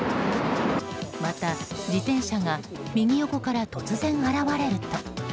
また、自転車が右横から突然現れると。